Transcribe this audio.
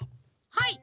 はい。